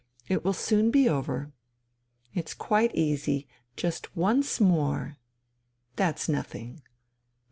It will soon be over. It's quite easy.... Just once more ... that's nothing....